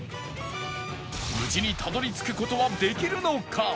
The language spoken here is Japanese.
無事にたどり着く事はできるのか？